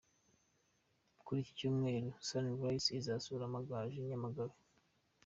Kuri iki Cyumweru Sunrise izasura Amagaju i Nyamagabe.